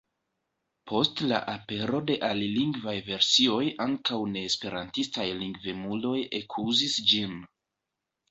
Post la apero de alilingvaj versioj ankaŭ neesperantistaj lingvemuloj ekuzis ĝin.